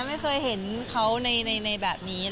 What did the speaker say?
ไม่เคยเห็นเขาในแบบนี้